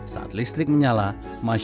saat listrik menyala masyarakat langsung bergegas